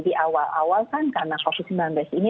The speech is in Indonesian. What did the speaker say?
di awal awal kan karena covid sembilan belas ini